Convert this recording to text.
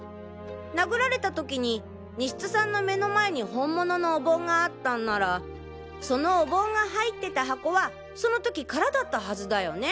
殴られたときに西津さんの目の前に本物のお盆があったんならそのお盆が入ってた箱はそのときカラだったはずだよね？